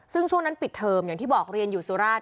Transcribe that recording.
ซึ่งช่วงนั้นปิดเทอมอย่างที่บอกเรียนอยู่สุราช